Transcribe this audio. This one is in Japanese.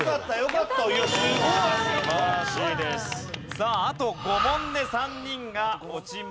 さああと５問で３人が落ちます。